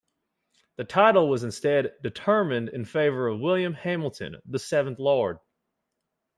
The title was instead determined in favour of William Hamilton, the seventh Lord.